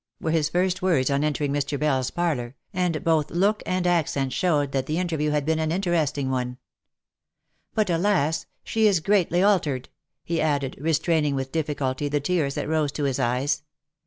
were his first words on entering Mr. Bell's parlour, and both look and accent showed that the inter view had been an interesting one. "But, alas! she is greatly al tered," he added, restraining with difficulty the tears that rose to his eyes.